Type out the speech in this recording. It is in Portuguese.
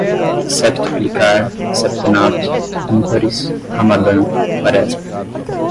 septuplicar, septenato, ímpares, Ramadã, quaresma